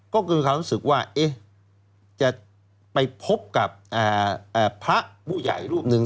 ก็คือความรู้สึกว่าจะไปพบกับพระผู้ใหญ่รูปหนึ่ง